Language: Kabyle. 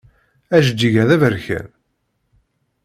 Ajeǧǧig-a d aberkan.